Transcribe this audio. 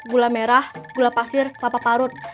gula merah gula pasir kelapa parut